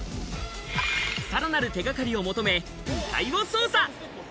さらなる手がかりを求め、２階を捜査。